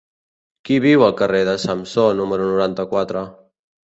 Qui viu al carrer de Samsó número noranta-quatre?